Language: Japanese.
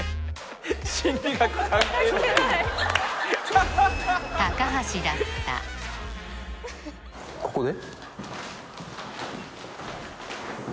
心理学関係ないここで？